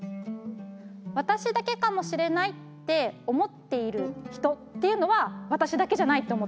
私だけかもしれないって思っている人っていうのは私だけじゃないと思ったんです。